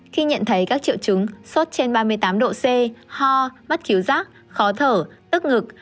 khi nhận thấy các triệu chứng sốt trên ba mươi tám độ c ho mất khiếu giác khó thở tức ngực